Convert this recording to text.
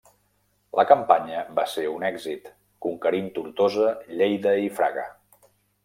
La campanya va ser un èxit, conquerint Tortosa, Lleida i Fraga.